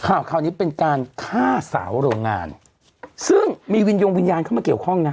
ข่าวคราวนี้เป็นการฆ่าสาวโรงงานซึ่งมีวินยงวิญญาณเข้ามาเกี่ยวข้องนะ